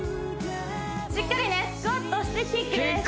しっかりねスクワットしてキックです